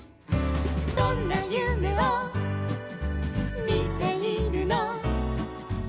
「どんなゆめをみているの」